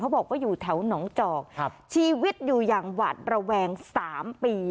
บอกว่าอยู่แถวหนองจอกชีวิตอยู่อย่างหวาดระแวง๓ปี